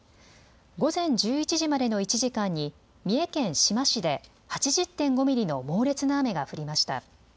午前１１時までの１時間に三重県志摩市で８０．５ミリの猛烈な雨が降りました。